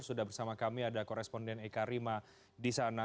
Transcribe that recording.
sudah bersama kami ada koresponden eka rima di sana